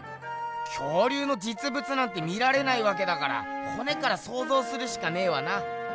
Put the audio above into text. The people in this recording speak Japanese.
恐竜のじつぶつなんて見られないわけだからほねからそうぞうするしかねえわな。